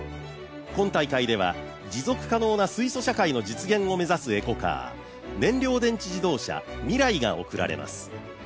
今大会では、持続可能な水素社会の実現を目指すエコカー燃料電池自動車、ＭＩＲＡＩが贈られます。